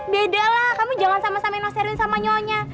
beda lah kamu jangan sama samain mas erwin sama nyonya